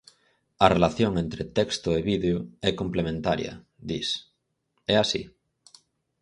"A relación entre texto e vídeo é complementaria", dis. É así?